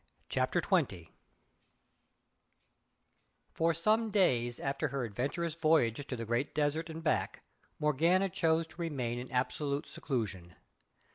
CHAPTER XX For some days after her adventurous voyage to the Great Desert and back Morgana chose to remain in absolute seclusion.